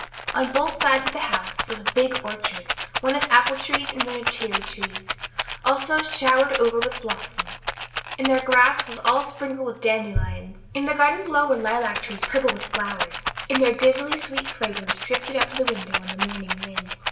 On both sides of the house was a big orchard, one of apple trees and one of cherry trees, also showered over with blossoms; and their grass was all sprinkled with dandelions. In the garden below were lilac trees purple with flowers, and their dizzily sweet fragrance drifted up to the window on the morning wind.